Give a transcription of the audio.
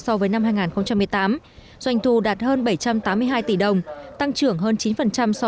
doanh thu đạt hơn bảy trăm tám mươi hai tỷ đồng tăng trưởng hơn chín so với năm hai nghìn một mươi tám